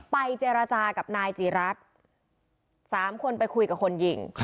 ไปเจรจากับนายจีรัฐ๓คนไปคุยกับคนยิง